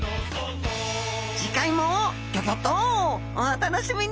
次回もギョギョッとお楽しみに！